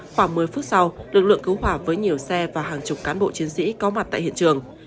khoảng một mươi phút sau lực lượng cứu hỏa với nhiều xe và hàng chục cán bộ chiến sĩ có mặt tại hiện trường